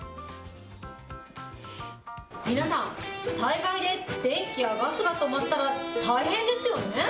皆さん、災害で電気やガスが止まったら大変ですよね。